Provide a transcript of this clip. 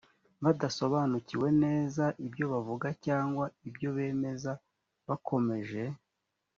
badasobanukiwe neza ibyo bavuga cyangwa ibyo bemeza bakomeje